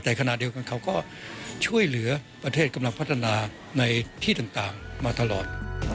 แต่ขณะเดียวกันเขาก็ช่วยเหลือประเทศกำลังพัฒนาในที่ต่างมาตลอด